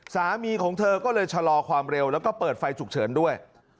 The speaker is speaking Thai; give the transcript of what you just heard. สามีของเธอก็เลยชะลอความเร็วแล้วก็เปิดไฟฉุกเฉินด้วย